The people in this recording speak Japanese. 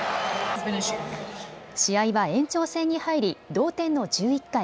試合は延長戦に入り同点の１１回。